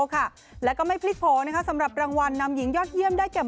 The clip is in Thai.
ค่ะแล้วก็ไม่พลิกโผล่นะคะสำหรับรางวัลนำหญิงยอดเยี่ยมได้แก่